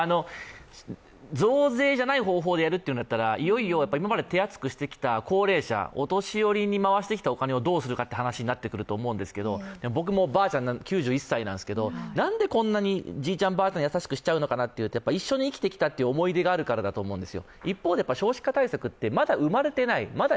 増税じゃない方法でやるというのだったら、今まで手厚くしてきた高齢者、お年寄りに回してきたお金をどうするかという話になってくると思うんですけれども、僕もばあちゃんは９１歳なんですけど、なんでこんなにじいちゃん、ばあちゃんに優しくしちゃうのかなと思うと一緒に生きてきたという思い出があるからだと思うんですよ。